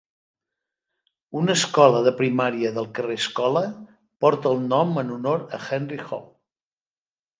Una escola de primària del carrer Escola porta el nom en honor a Henry Holt.